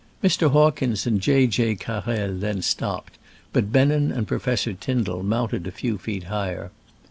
Mr. Hawkins and J. J. Carrel then stopped, but Ben nen and Professor Tyndall mounted a few feet higher.